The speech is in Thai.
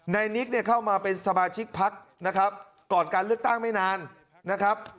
นิกเนี่ยเข้ามาเป็นสมาชิกพักนะครับก่อนการเลือกตั้งไม่นานนะครับ